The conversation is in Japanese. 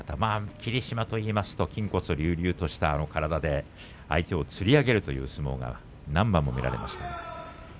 霧島といいますと筋骨隆々の体で相手をつり上げるという相撲が何番もありました。